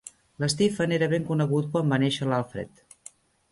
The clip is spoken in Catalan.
L'Stephen era ben conegut quan va néixer l'Alfred.